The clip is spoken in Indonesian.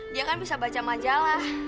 dia kan bisa baca majalah